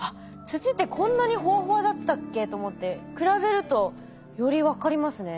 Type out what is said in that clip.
土ってこんなにホワホワだったっけと思って比べるとより分かりますね。